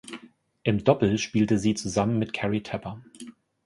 Im Doppel spielte sie zusammen mit Kerri Tepper.